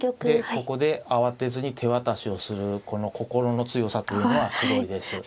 でここで慌てずに手渡しをするこの心の強さというのはすごいです。